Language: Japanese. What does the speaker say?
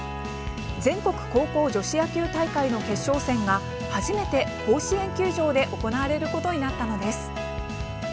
全国高校女子野球大会の決勝戦が初めて甲子園球場で行われることになったのです。